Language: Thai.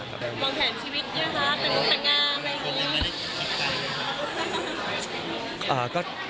มองแผนชีวิตเยอะครับต้องทำงานอะไรดี